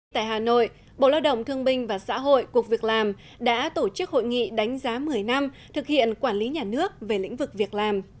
tại hà nội bộ lao động thương binh và xã hội cuộc việc làm đã tổ chức hội nghị đánh giá một mươi năm thực hiện quản lý nhà nước về lĩnh vực việc làm